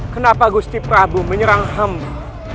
kenapa gusti prabu menyerang hamba